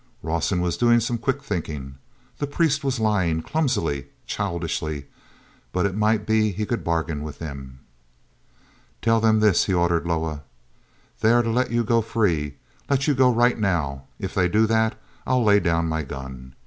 Rawson was doing some quick thinking. The priest was lying, clumsily, childishly, but it might be he could bargain with them. "Tell them this," he ordered Loah: "they are to let you go free—let you go right now! If they do that, I'll lay down my gun.